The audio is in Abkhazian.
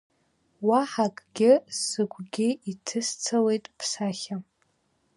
Уаҳа акгьы, сыгәгьы иҭысцауеит бсахьа…